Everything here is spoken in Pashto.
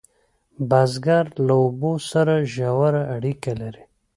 بزګر له اوبو سره ژوره اړیکه لري